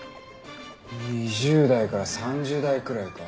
２０代から３０代くらいか。